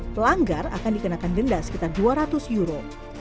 pelanggar akan dikenakan denda sekitar dua ratus euro